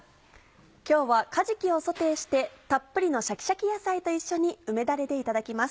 今日はかじきをソテーしてたっぷりのシャキシャキ野菜と一緒に梅だれでいただきます。